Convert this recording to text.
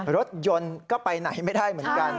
รถยนต์ก็ไปไหนไม่ได้เหมือนกัน